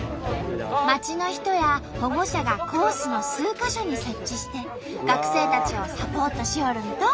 町の人や保護者がコースの数か所に設置して学生たちをサポートしよるんと。